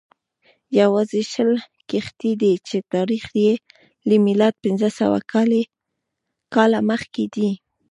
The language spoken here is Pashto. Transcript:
یوازې شل کښتۍ دي چې تاریخ یې له میلاده پنځه سوه کاله مخکې دی